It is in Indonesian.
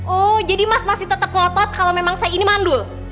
oh jadi mas masih tetap ngotot kalau memang saya ini mandul